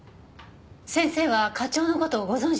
先生は課長の事をご存じなんですか？